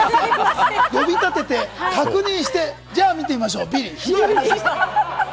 呼び立てて、確認して、じゃあ見てみましょう、ビリ。